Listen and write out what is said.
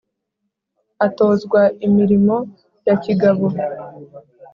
atozwa imirimo ya kigabo,